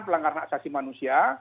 pelanggaran asasi manusia